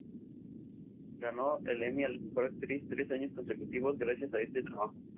Ganó el Emmy a la mejor actriz tres años consecutivos, gracias a este trabajo.